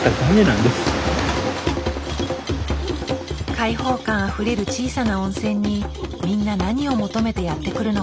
開放感あふれる小さな温泉にみんな何を求めてやって来るのか。